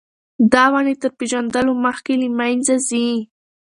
دا ونې تر پېژندلو مخکې له منځه ځي.